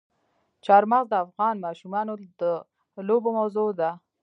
چار مغز د افغان ماشومانو د لوبو موضوع ده.